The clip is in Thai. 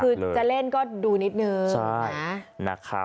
คือจะเล่นก็ดูนิดนึงนะครับ